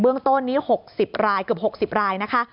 ต้นนี้๖๐รายเกือบ๖๐รายนะคะ